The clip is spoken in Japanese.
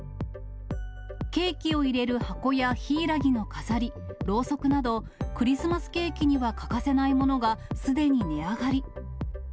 ケーキを入れる箱やひいらぎの飾り、ろうそくなど、クリスマスケーキには欠かせないものが、すでに値上がり。